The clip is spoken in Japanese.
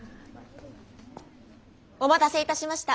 お待たせいたしました。